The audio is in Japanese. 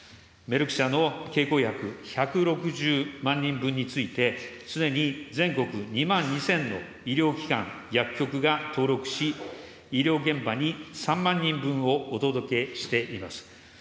メルク社の経口薬、１６０万人分についてすでに全国２万２０００の医療機関、薬局が登録し、医療現場に３万人分をお届けしています。